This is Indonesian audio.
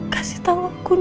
kasih tanganku no